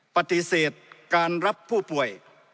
ปฏิเสธการรับผู้ป่วย